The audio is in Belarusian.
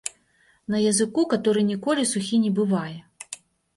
На языку, каторы ніколі сухі не бывае.